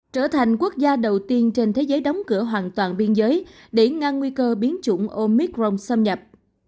trở thành quốc gia đầu tiên trên thế giới đóng cửa hoàn toàn biên giới để ngăn nguy cơ biến chủng omic rong xâm nhập